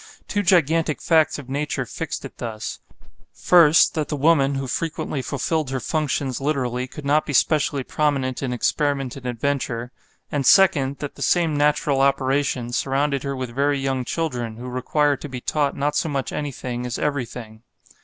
Two gigantic facts of nature fixed it thus: first, that the woman who frequently fulfilled her functions literally could not be specially prominent in experiment and adventure; and second, that the same natural operation surrounded her with very young children, who require to be taught not so much anything as everything.